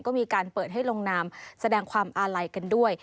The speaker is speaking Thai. ก็มีการเปิดให้ลงนามแสดงความอาลัยกันด้วย